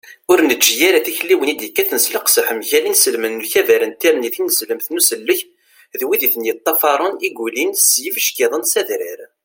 ur neǧǧi ara tikliwin i d-yekkaten s leqseḥ mgal inselmen n ukabar n tirni tineslemt n usellek d wid i ten-yeṭṭafaṛen i yulin s yibeckiḍen s adrar